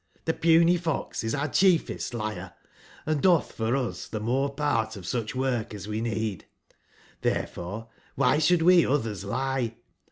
the puny fox is our chief est liar, and doth for us the more part of such work as we need: therefore, wby should we others lie